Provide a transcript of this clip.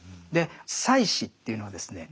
祭司というのはですね